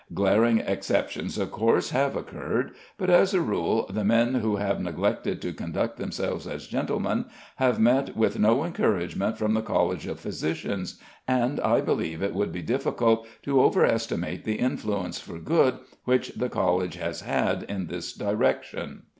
Glaring exceptions, of course, have occurred; but, as a rule, the men who have neglected to conduct themselves as gentlemen have met with no encouragement from the College of Physicians, and I believe it would be difficult to over estimate the influence for good which the College has had in this direction.